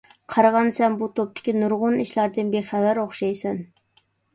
قارىغاندا سەن بۇ توپتىكى نۇرغۇن ئىشلاردىن بىخەۋەر ئوخشايسەن.